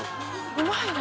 うまいな。